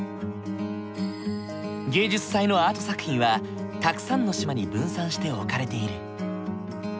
芸術祭のアート作品はたくさんの島に分散して置かれている。